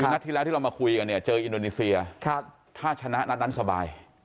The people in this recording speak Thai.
คือนัดที่แล้วที่เรามาคุยกันเนี่ยเจออินโดนีเซียถ้าชนะนัดนั้นสบาย